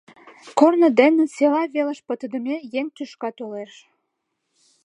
Корно дене села велыш пытыдыме еҥ тӱшка толеш.